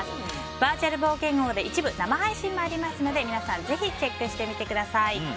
バーチャル冒険王で一部生配信もありますので皆さんぜひチェックしてみてください。